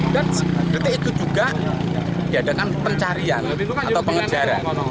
dan detik itu juga diadakan pencarian atau pengejaran